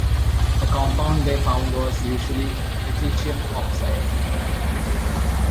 The compound they found was usually lutetium oxide.